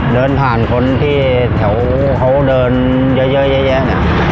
เดินผ่านคนที่แถวเขาเดินเยอะแยะเนี่ย